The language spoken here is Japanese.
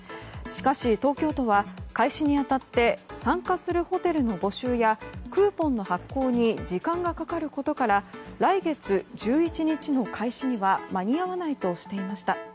しかし東京都は開始に当たって参加するホテルの募集やクーポンの発行に時間がかかることから来月１１日の開始には間に合わないとしていました。